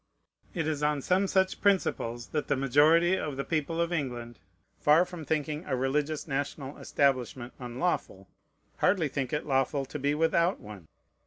It is on some such principles that the majority of the people of England, far from thinking a religious national establishment unlawful, hardly think it lawful to be without one.